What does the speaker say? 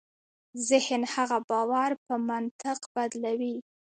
ذهن هغه باور په منطق بدلوي.